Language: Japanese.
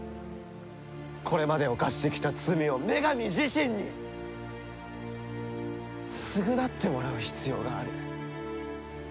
これまで犯してきた罪を女神自身に償ってもらう必要がある。